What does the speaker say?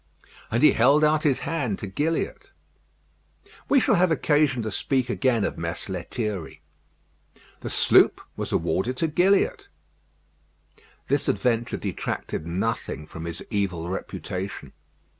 And he held out his hand to Gilliatt. We shall have occasion to speak again of Mess Lethierry. The sloop was awarded to Gilliatt. This adventure detracted nothing from his evil reputation.